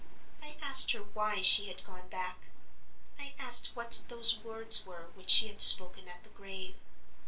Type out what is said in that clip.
I asked her why she had gone back—I asked what those words were which she had spoken at the grave.